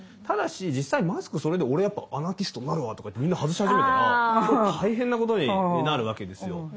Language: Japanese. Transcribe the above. ただし実際マスクそれで俺やっぱアナキストになるわとか言ってみんな外し始めたら大変なことになるわけですよ。